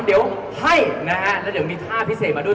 เดี๋ยวมีท่าพิเศษมาด้วย